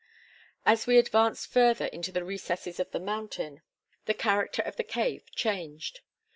"As we advanced further into the recesses of the mountain, the character of the cave changed.